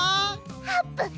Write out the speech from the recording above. あーぷん！